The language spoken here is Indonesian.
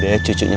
dede siapa itu